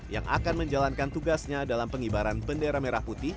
yang akan menjalankan tugasnya dalam pengibaran bendera merah putih